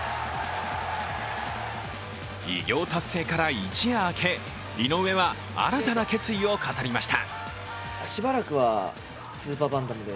偉業達成から一夜明け、井上は新たな決意を語りました。